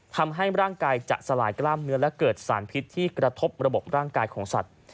ทำให้ร่างกายจะสลายกล้ามเนื้อและเกิดสารพิษที่กระทบระบบร่างกายของสัตว์